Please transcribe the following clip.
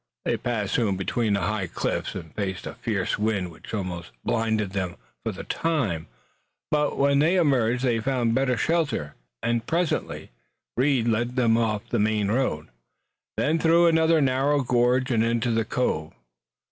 They passed soon between high cliffs, and faced a fierce wind which almost blinded them for the time, but, when they emerged they found better shelter and, presently, Reed led them off the main road, then through another narrow gorge and into the cove.